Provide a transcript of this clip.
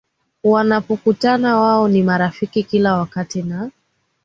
Wanapokutana wao ni marafiki kila wakati na